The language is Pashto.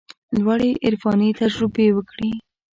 لوړې عرفاني تجربې وکړي.